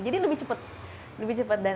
jadi lebih cepet